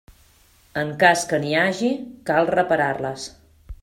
En cas que n'hi hagi, cal reparar-les.